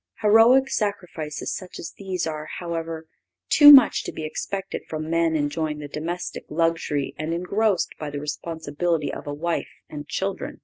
Heroic sacrifices such as these are, however, too much to be expected from men enjoying the domestic luxury and engrossed by the responsibility of a wife and children.